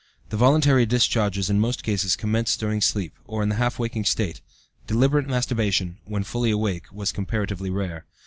The voluntary discharges in most cases commenced during sleep, or in the half waking state; deliberate masturbation, when fully awake, was comparatively rare.